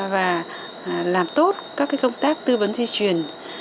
và làm tốt các công tác tư vấn di truyền